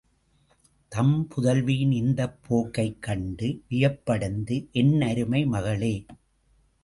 தம் புதல்வியின் இந்தப் போக்கைக் கண்டு வியப்படைந்து, என்னருமை மகளே!